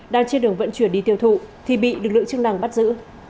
đang trên đường vận chuyển đi tiêu thụ thì bị lực lượng chức năng bắt giữ